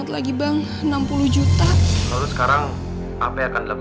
tapi malah abah ditipu